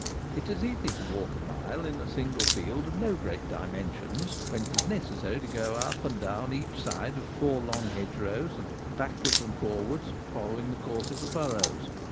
It is easy to walk a mile in a single field of no great dimensions when it is necessary to go up and down each side of four long hedgerows, and Poachers Hide their Tools. 167 backwards and forwards, following the course of the furrows.